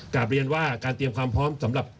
กลับเรียนว่าการเตรียมความพร้อมสำหรับ